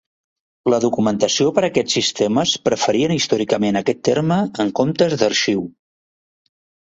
La documentació per a aquests sistemes preferien històricament aquest terme en comptes d'"arxiu".